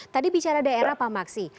tadi bicara daerah pak maksi